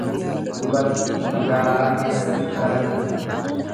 Dubartiin magaalaa keessatti baratti.